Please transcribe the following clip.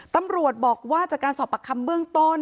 ตำรวจบอกว่าจากการสอบประคำเบื้องต้น